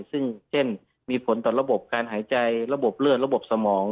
ซึ่งเช่นมีผลต่อระบบการหายใจระบบเลือดระบบสมอง